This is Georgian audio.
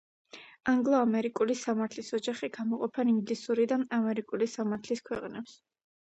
ანგლო-ამერიკული სამართლის ოჯახში გამოყოფენ ინგლისური და ამერიკული სამართლის ქვეყნებს.